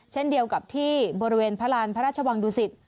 เช่นเดียวกับที่บริเวณพระราณพระราชวังดุสิต